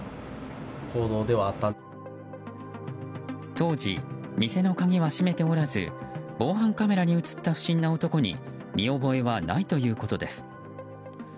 当時、店の鍵は閉めておらず防犯カメラに映った不審な男に見覚えはないということです。